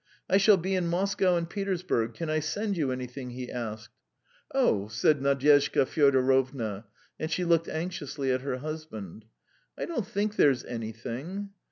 I shall be in Moscow and Petersburg; can I send you anything?" he asked. "Oh!" said Nadyezhda Fyodorovna, and she looked anxiously at her husband. "I don't think there's anything.